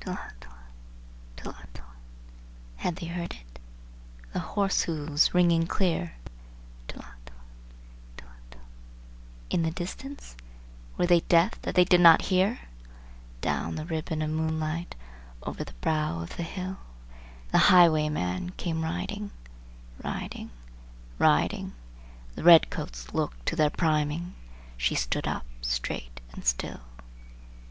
Tlot tlot, tlot tlot! Had they heard it? The horse hooves, ringing clear; Tlot tlot, tlot tlot, in the distance! Were they deaf that they did not hear? Down the ribbon of moonlight, over the brow of the hill, The highwayman came riding Riding riding The redcoats looked to their priming! She stood up straight and still.